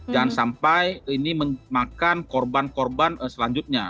dan sampai ini memakan korban korban selanjutnya